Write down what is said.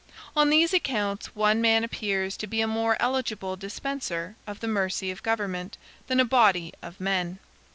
On these accounts, one man appears to be a more eligible dispenser of the mercy of government, than a body of men.